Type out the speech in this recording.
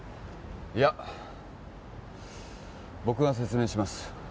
いや僕が説明します